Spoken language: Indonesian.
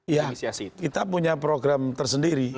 ya kita punya program tersendiri